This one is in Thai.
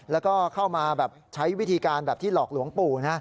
แล้วก็เข้ามาแบบใช้วิธีการแบบที่หลอกหลวงปู่นะ